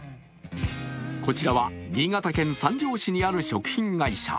こちらは、新潟県三条市にある食品会社。